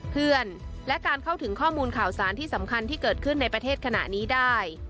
เพื่อนและการเข้าถึงข้อมูลข่าวสารที่สำคัญที่เกิดขึ้นในประเทศขณะนี้ได้